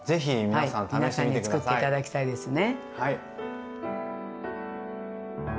皆さんにつくっていただきたいですね。